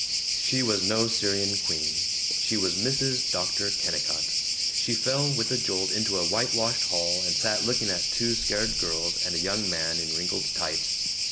She was no Syrian queen. She was Mrs. Dr. Kennicott. She fell with a jolt into a whitewashed hall and sat looking at two scared girls and a young man in wrinkled tights.